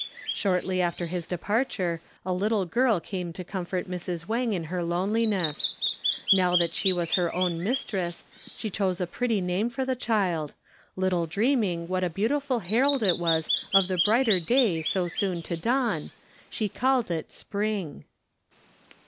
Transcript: Shortly after his departure a little girl came to comfort Mrs. Wang in her loneliness. Now that she was her own mistress, she chose a pretty name for the child, little dreaming what a beautiful herald it was of the brighter day so soon to dawn, she called it Spring!